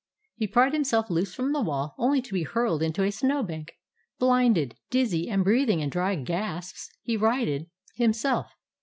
He pried himself loose from the wall, only to be hurled into a snow bank. Blinded, dizzy, and breathing in dry gasps, he righted himself.